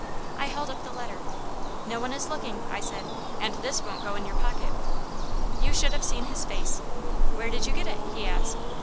I held up the letter. "No one is looking," I said, "and this won't go in your pocket." You should have seen his face. "Where did you get it?" he asked.